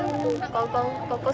có sợ nguy hiểm không